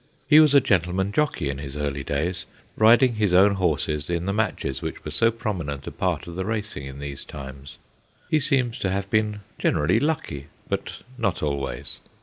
He was a gentleman jockey in his early days, riding his own horses in the matches which were so prominent a part of the racing in these times. He seems to have been generally lucky, but not always.